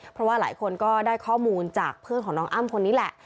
เพราะว่าหลายคนก็ได้ข้อมูลจากเพื่อนของน้องอ้ำคนนี้แหละ